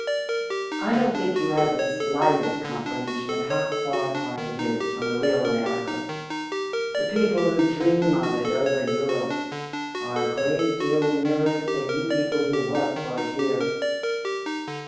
I don't think you have the slightest comprehension of how far apart it is from the real America. The people who dream of it over in Europe are a great deal nearer it than you people who work for it here.